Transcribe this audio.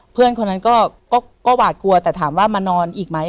เพื่อนคนนั้นก็หวาดกลัวแต่ถามว่ามานอนอีกไหม